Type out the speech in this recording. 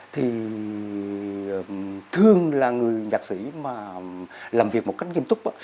thì thường là người nhạc sĩ mà làm việc một cách nghiêm túc